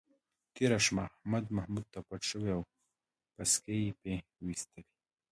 تېره شپه احمد محمود ته پټ شوی و، پسکې یې پې وایستلی.